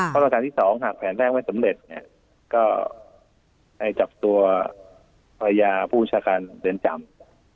ข้อสั่งการที่สองหากแผนแรกไม่สำเร็จเนี่ยก็ให้จับตัวพระยาผู้ชาติการเดินจำ